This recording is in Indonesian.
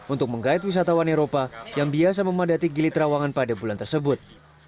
untuk menggait wisatawan eropa yang biasa memadati gili trawangan pada bulan tersebut